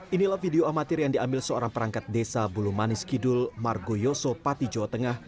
inilah video amatir yang diambil seorang perangkat desa bulu manis kidul margo yoso pati jawa tengah